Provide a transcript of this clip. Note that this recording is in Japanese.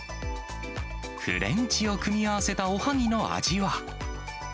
フレンチを組み合わせたおはぎの味は？